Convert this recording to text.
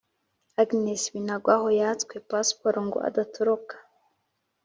Agnes Binangwaho yatswe passport ngo adatoroka.